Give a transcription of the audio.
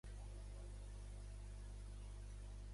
Llançament no pas d'una estrella del rock sinó del roc.